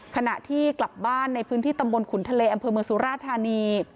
ขณะที่กลับบ้านในพื้นที่ตำบลขุนทะเลอำเภอเมืองสุราธานี